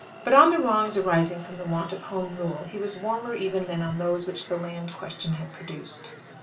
But on the wrongs arising from the want of Home Rule he was warmer even than on those which the land question had produced.